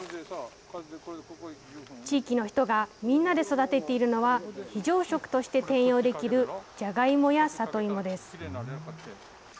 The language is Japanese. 地域の人がみんなで育てているのは、非常食として転用できる、じゃがいもや里芋です。